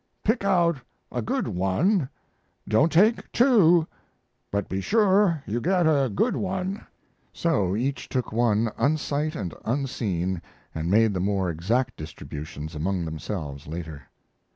Pick out a good one. Don't take two, but be sure you get a good one." So each took one "unsight and unseen" aid made the more exact distributions among themselves later.